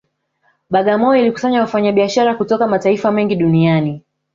Bagamoyo ilikusanya wafanyabiashara kutoka mataifa mengi duniani